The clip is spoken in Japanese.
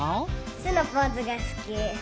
「す」のポーズがすき。